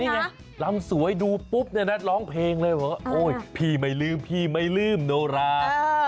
นี่ไงรำสวยดูปุ๊บเนี่ยนัทร้องเพลงเลยพี่ไม่ลืมโนรา